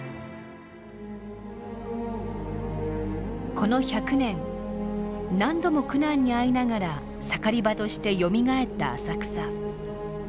この１００年何度も苦難に遭いながら盛り場としてよみがえった浅草。